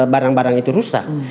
barang barang itu rusak